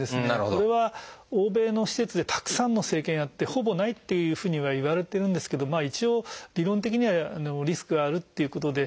これは欧米の施設でたくさんの生検をやってほぼないというふうにはいわれているんですけど一応理論的にはリスクがあるっていうことで。